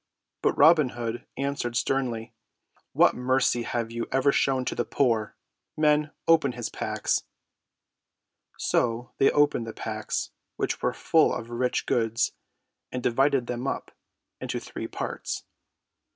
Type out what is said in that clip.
But Robin Hood answered sternly. "What mercy have you ever shown to the poor? Men, open his packs!" So they opened the packs, which were full of rich goods and divided them into three parts.